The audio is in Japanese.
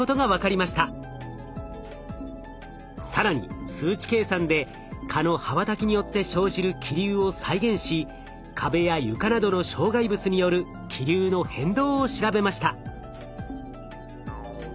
更に数値計算で蚊の羽ばたきによって生じる気流を再現し壁や床などの障害物による気流の変動を調べました。